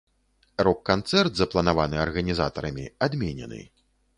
Рок-канцэрт, запланаваны арганізатарамі, адменены.